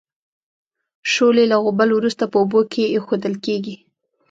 شولې له غوبل وروسته په اوبو کې اېښودل کیږي.